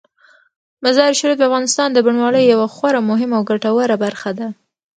مزارشریف د افغانستان د بڼوالۍ یوه خورا مهمه او ګټوره برخه ده.